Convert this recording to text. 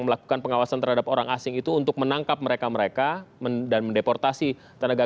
melakukan pengawasan terhadap orang asing itu untuk menangkap mereka mereka dan mendeportasi tenaga